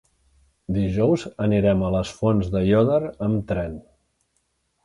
Dijous anirem a les Fonts d'Aiòder amb tren.